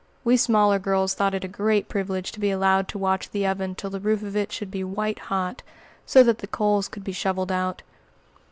We smaller girls thought it a great privilege to be allowed to watch the oven till the roof of it should be "white hot," so that the coals could be shoveled out.